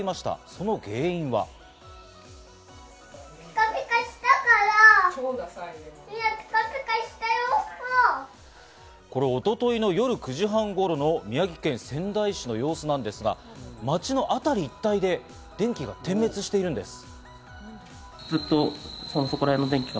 その原因は？これを一昨日の夜９時半頃の宮城県仙台市の様子なんですが、街の辺り一帯で電気が点滅しているんです。